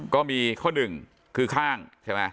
ก็มีข้อหนึ่งคือข้างใช่ไหม